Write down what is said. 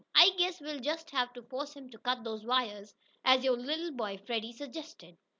I guess we'll just have to force him to cut those wires, as your little boy, Freddie, suggested."